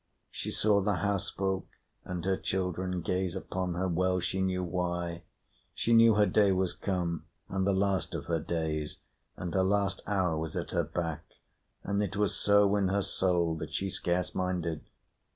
She saw the house folk and her children gaze upon her; well she knew why! She knew her day was come, and the last of her days, and her last hour was at her back; and it was so in her soul that she scarce minded.